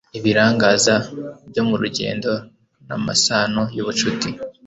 ibirangaza byo mu rugendo n'amasano y'ubucuti,